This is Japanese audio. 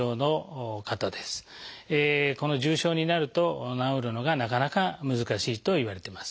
この重症になると治るのがなかなか難しいといわれてます。